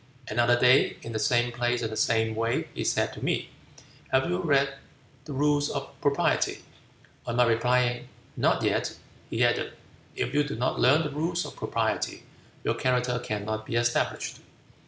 Another day, in the same place and the same way, he said to me, 'Have you read the rules of Propriety?' On my replying, 'Not yet,' he added, 'If you do not learn the rules of Propriety, your character cannot be established.'"